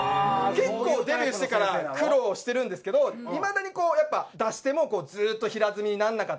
結構デビューしてから苦労してるんですけどいまだにやっぱ出してもずっと平積みにならなかったりとか。